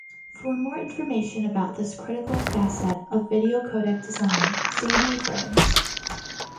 For more information about this critical facet of video codec design, see B-frames.